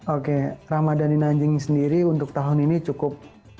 oke ramadan di nanjing sendiri untuk tahun ini cukup